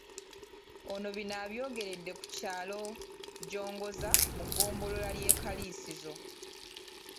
Ono bino yabyogeredde ku kyalo Jongoza mu ggombolola y'e Kaliisizo.